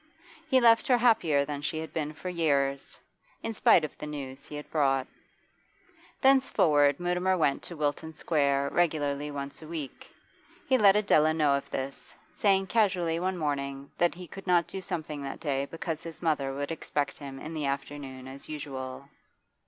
He left her happier than she had been for years, in spite of the news he had brought. Thenceforward Mutimer went to Wilton Square regularly once a week. He let Adela know of this, saying casually one morning that he could not do something that day because his mother would expect him in the afternoon as usual.